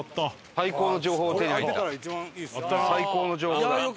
最高の情報だ。